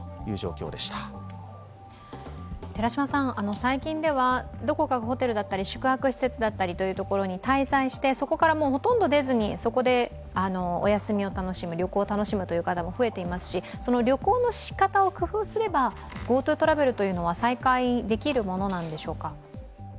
最近ではどこかホテルだったり宿泊施設だったりというところに滞在して、そこからほとんど出ずにそこでお休みを楽しむ、旅行を楽しむという方、増えていますし旅行の仕方を工夫すれば、ＧｏＴｏトラベルは再開できるものなんでしょうか。